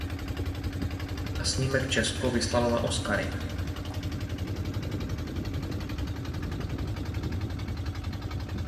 A snímek Česko vyslalo na Oscary.